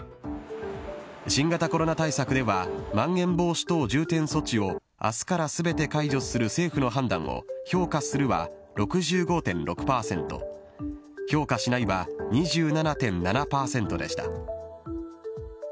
新型コロナ対策では、まん延防止等重点措置をあすからすべて解除する政府の判断を評価するは６５．６％、評価しないは２７．７％でした。